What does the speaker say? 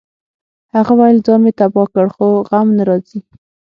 هغه ویل ځان مې تباه کړ خو غم نه راځي